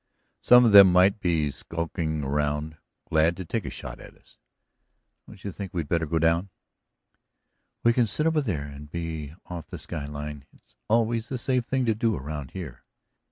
Some of them might be skulking around, glad to take a shot at us. Don't you think we'd better go down?" "We can sit over there and be off the sky line. It's always the safe thing to do around here."